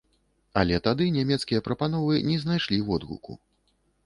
Але тады нямецкія прапановы не знайшлі водгуку.